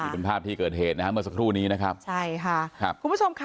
เป็นภาพที่เกิดเหตุเมื่อสักครู่นี้นะครับ